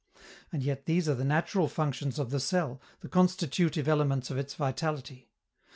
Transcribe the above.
And yet these are the natural functions of the cell, the constitutive elements of its vitality.